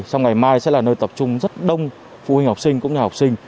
trong ngày mai sẽ là nơi tập trung rất đông phụ huynh học sinh cũng như học sinh